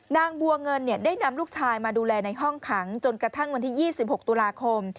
นางบัวเงินได้นำลูกชายมาดูแลในห้องขังจนกระทั่งวันที่๒๖ตุลาคม